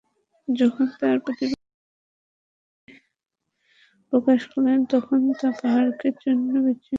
যখন তার প্রতিপালক পাহাড়ে জ্যোতি প্রকাশ করলেন, তখন তা পাহাড়কে চূর্ণ-বিচূর্ণ করল।